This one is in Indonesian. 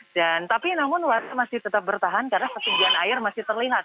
dan tapi namun waktu masih tetap bertahan karena kesedihan air masih terlihat